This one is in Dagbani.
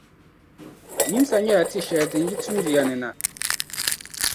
Nyimsa nyɛ la tia shɛli din yi tinduya ni na.